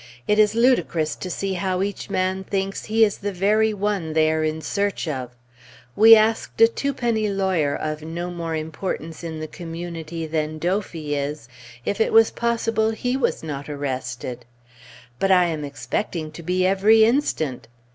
It is ludicrous to see how each man thinks he is the very one they are in search of! We asked a twopenny lawyer, of no more importance in the community than Dophy is, if it was possible he was not arrested. "But I am expecting to be every instant!"